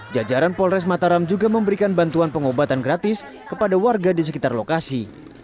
jajaran polres mataram juga memberikan bantuan pengobatan gratis kepada warga di sekitar lokasi